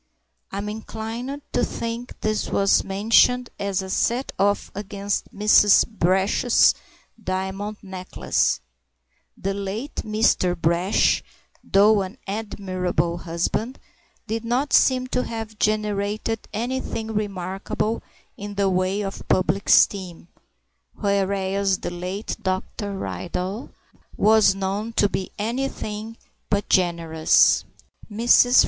I'm inclined to think this was mentioned as a set off against Mrs. Brash's diamond necklace; the late Mr. Brash, though an admirable husband, did not seem to have generated anything remarkable in the way of public esteem, whereas the late Dr. Ridley was known to be anything but generous. Mrs.